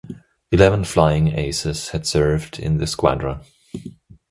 Eleven flying aces had served in the squadron.